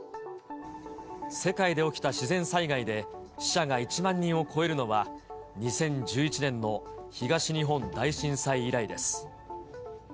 世界で起きた自然災害で死者が１万人を超えるのは、２０１１年の東日本大震災以来です。